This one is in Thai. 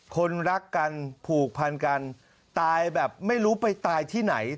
คนรักกันผูกพันกันตายแบบไม่รู้ไปตายที่ไหน